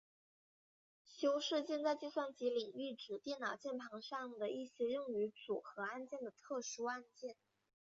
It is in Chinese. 修饰键在计算机领域指电脑键盘上的一些用于组合按键的特殊按键。